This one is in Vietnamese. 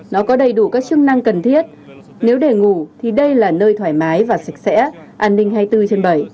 nó có đầy đủ các chức năng cần thiết nếu để ngủ thì đây là nơi thoải mái và sạch sẽ an ninh hai mươi bốn trên bảy